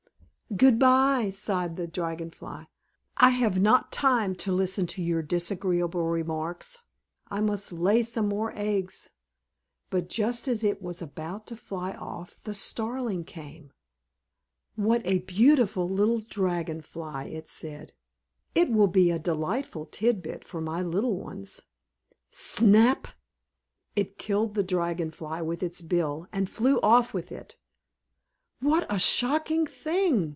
"Good bye," sighed the Dragon Fly. "I have not time to listen to your disagreeable remarks. I must lay some more eggs." But just as it was about to fly off the Starling came. "What a pretty little Dragon Fly!" it said; "it will be a delightful tit bit for my little ones." Snap! it killed the Dragon Fly with its bill, and flew off with it. "What a shocking thing!"